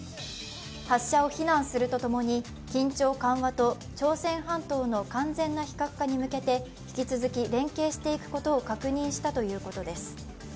発射を非難するとともに、緊張緩和と朝鮮半島の完全な非核化に向けて引き続き連携していくことを確認したということです。